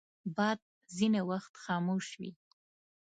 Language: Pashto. باد ځینې وخت خاموش وي